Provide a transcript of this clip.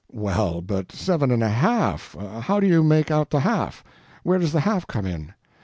"Well, but seven and a HALF? How do you make out the half? Where does the half come in?"